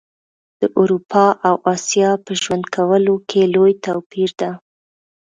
د اروپا او اسیا په ژوند کولو کي لوي توپیر ده